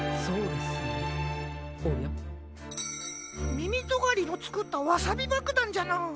みみとがりのつくったワサビばくだんじゃな。